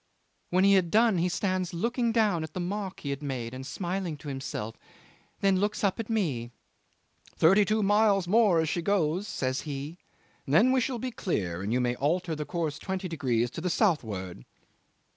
When he had done he stands looking down at the mark he had made and smiling to himself, then looks up at me. 'Thirty two miles more as she goes,' says he, 'and then we shall be clear, and you may alter the course twenty degrees to the southward.